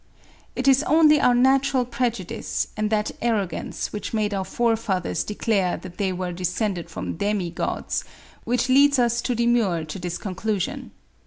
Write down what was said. It is only our natural prejudice, and that arrogance which made our forefathers declare that they were descended from demi gods, which leads us to demur to this conclusion.